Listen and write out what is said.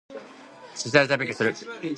すしだでタイピングする。